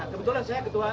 kebetulan saya ketua